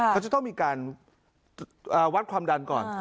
เขาจะต้องมีการวัดความดันก่อน